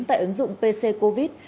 tại ứng dụng pc covid